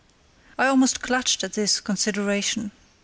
I almost clutched at this consideration.